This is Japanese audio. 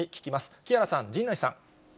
木原さん、陣内さん。